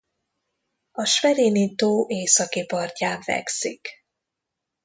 A Schwerini-tó északi partján fekszik.